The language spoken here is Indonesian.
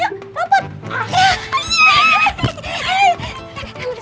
ya ampun kalian mau kemana